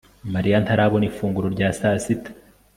Mariya ntarabona ifunguro rya saa sita